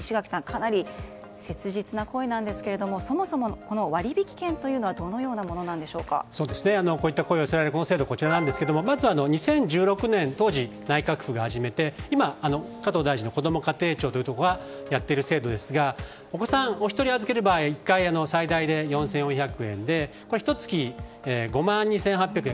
かなり切実な声なんですけれどもそもそも割引券というのはこういった声が寄せられるこの制度、こちらなんですがまずは２０１６年当時、内閣府が始めて今、加藤大臣のこども家庭庁というところがやっている制度ですがお子さんお一人を預ける場合１回、最大で４４００円でこれは、ひと月５万２８００円